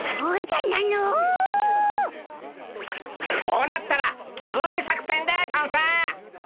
こうなったら着ぐるみ作戦でゴンス！